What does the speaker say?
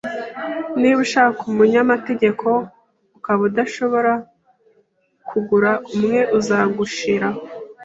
Niba ushaka umunyamategeko ukaba udashobora kugura umwe, uzagushiraho